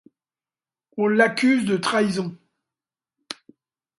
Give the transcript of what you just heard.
On l'accuse de trahison.